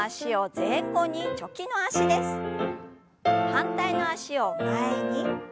反対の脚を前に。